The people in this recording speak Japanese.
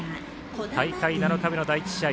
大会７日目の第１試合。